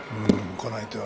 この相手は。